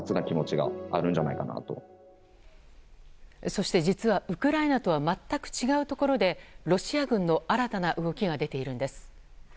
そして実はウクライナとは全く違うところでロシア軍の新たな動きが出ているんです。